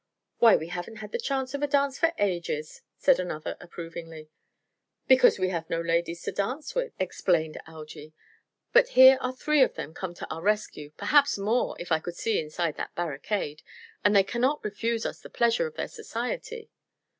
"Why, we haven't had the chance of a dance for ages," said another approvingly. "Because we have had no ladies to dance with," explained Algy. "But here are three come to our rescue perhaps more, if I could see inside that barricade and they cannot refuse us the pleasure of their society."